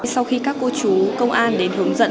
sau khi các cô chú công an đến hướng dẫn